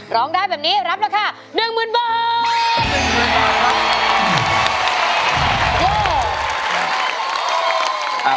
ร้องได้แบบนี้รับราคา๑๐๐๐บาท